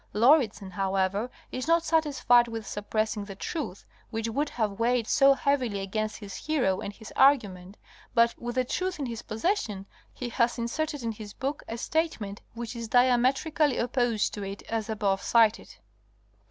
Lauridsen however is not satisfied with suppressing the truth, which would have weighed so heavily against his hero and his argument, but, with the truth in his possession, he has inserted in his book a statement which is diametrically opposed to it as above cited.